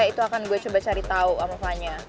itu akan gue coba cari tau ama vanya